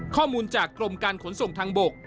ข้อมูลจากกรมการขนส่งทางบก